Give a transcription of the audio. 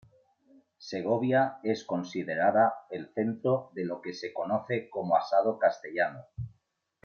Segovia es considerada el centro de lo que se conoce como asado castellano.